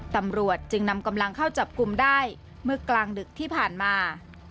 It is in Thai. ตำรวจจึงนำกำลังเข้าจับกลุ่มได้เมื่อกลางดึกที่ผ่านมา